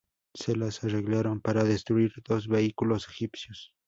Se las arreglaron para destruir dos vehículos egipcios.